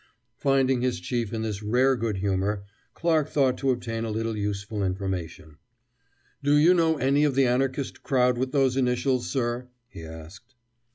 Finding his chief in this rare good humor, Clarke thought to obtain a little useful information. "Do you know any of the Anarchist crowd with those initials, sir?" he asked.